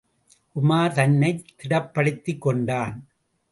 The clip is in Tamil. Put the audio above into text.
உமார் தன்னைத் திடப்படுத்திக் கொண்டான்.